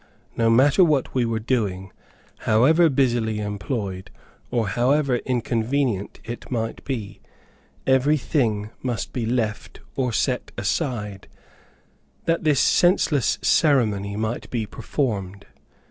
No matter what we were doing, however busily employed, or however inconvenient it might be, every thing must be left or set aside, that this senseless ceremony might be performed.